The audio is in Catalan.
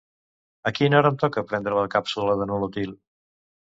A quina hora em toca prendre la càpsula de Nolotil?